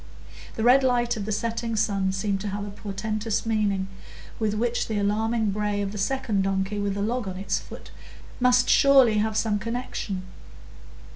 The red light of the setting sun seemed to have a portentous meaning, with which the alarming bray of the second donkey with the log on its foot must surely have some connection.